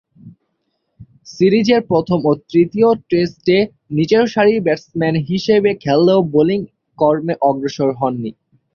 সিরিজের প্রথম ও তৃতীয় টেস্টে নিচেরসারির ব্যাটসম্যান হিসেবে খেললেও বোলিং কর্মে অগ্রসর হননি।